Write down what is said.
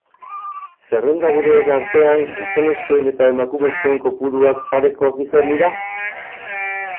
Zerrendaburuen artean, gizonezkoen eta emakumezkoen kopuruak parekoak izan dira?